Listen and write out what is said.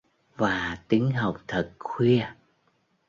và tính học thật khuya